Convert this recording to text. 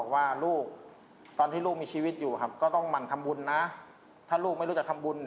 ถ้าลูกไม่รู้แล้วจะทำบุญ